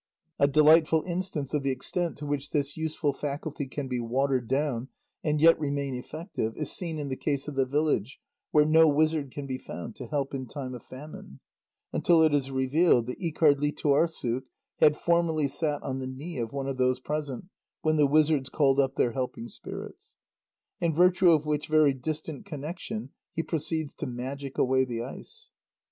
A delightful instance of the extent to which this useful faculty can be watered down and yet remain effective is seen in the case of the village where no wizard can be found to help in time of famine, until it is "revealed" that Íkardlítuarssuk "had formerly sat on the knee of one of those present when the wizards called up their helping spirits." In virtue of which very distant connection he proceeds to magic away the ice.